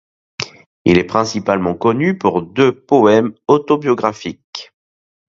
Il est principalement connu pour deux poèmes autobiographiques.